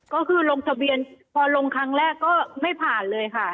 ก็คือลงทะเบียนพอลงครั้งแรกก็ไม่ผ่านเลยค่ะ